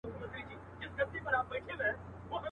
له ما جوړي بنګلې ښکلي ښارونه.